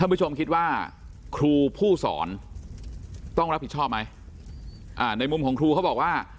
ผู้ชมคิดว่าครูผู้สอนต้องรับผิดชอบไหมอ่าในมุมของครูเขาบอกว่า